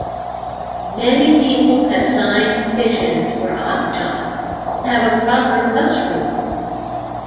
Many people have signed petitions for Oxshott to have a proper bus route.